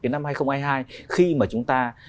năm hai nghìn hai mươi hai khi mà chúng ta